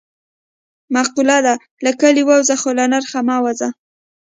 معقوله ده: له کلي ووځه خو له نرخ نه مه وځه.